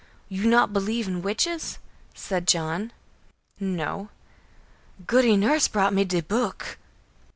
"You not believe in witches?" said John. "No." "Goody Nurse brought me de book."